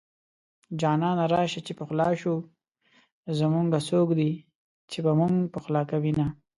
جانانه راشه چې پخلا شو زمونږه څوک دي چې به مونږ پخلا کوينه